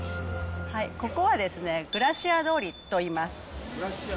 ここはですね、グラシア通りといいます。